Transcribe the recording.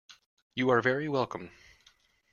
You are very welcome.